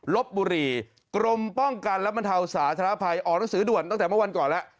ลบบุรีกรมป้องกันและบรรเทาสาธารณภัยออกหนังสือด่วนตั้งแต่เมื่อวันก่อนแล้ว